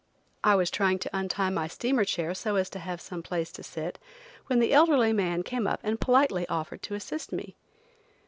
I was trying to untie my steamer chair so as to have some place to sit, when the elderly man came up and politely offered to assist me.